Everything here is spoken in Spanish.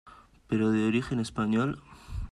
¿ pero de origen español?